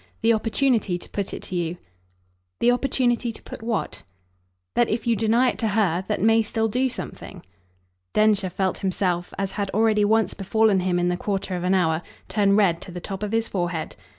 "the opportunity to put it to you?" "The opportunity to put what?" "That if you deny it to her, that may still do something." Densher felt himself as had already once befallen him in the quarter of an hour turn red to the top of his forehead.